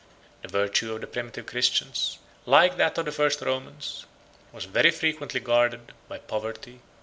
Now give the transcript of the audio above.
The virtue of the primitive Christians, like that of the first Romans, was very frequently guarded by poverty and ignorance.